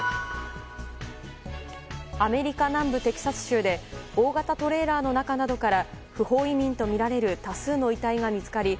アメリカ南部テキサス州で大型トレーラーの中などから不法移民とみられる多数の遺体が見つかり